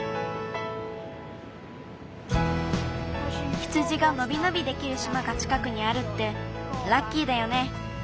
羊がのびのびできるしまがちかくにあるってラッキーだよね。